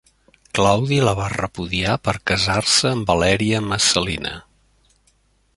Claudi la va repudiar per casar-se amb Valèria Messalina.